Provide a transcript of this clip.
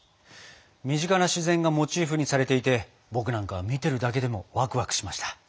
身近な自然がモチーフにされていて僕なんかは見てるだけでもワクワクしました。